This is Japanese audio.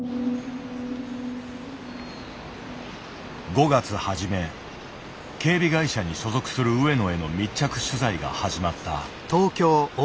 ５月初め警備会社に所属する上野への密着取材が始まった。